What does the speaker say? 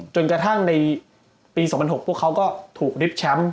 จนกระทั่งในปี๒๐๐๖พวกเขาก็ถูกริบแชมป์